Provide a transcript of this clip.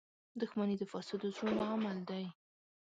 • دښمني د فاسدو زړونو عمل دی.